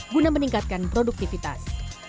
guna meningkatkan produktivitas